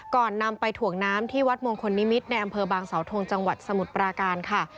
นำไปถ่วงน้ำที่วัดมงคลนิมิตรในอำเภอบางสาวทงจังหวัดสมุทรปราการค่ะ